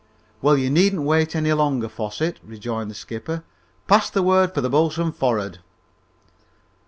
"Well, you needn't wait any longer, Fosset," rejoined the skipper. "Pass the word for the bo'sun forrad."